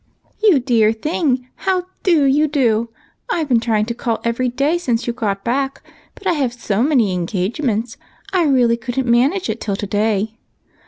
"You dear thing, how do you do? I've been trying to call every day since you got back, but I have so many engagements, I really couldn't manage it till to day.